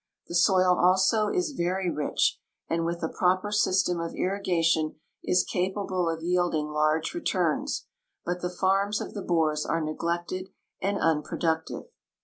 The soil also is very rich, and with a proper system of irrigation is capable of yielding large returns ; but the farms of the Boers are neglected and unproductive.